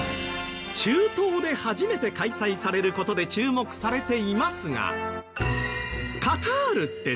中東で初めて開催される事で注目されていますが。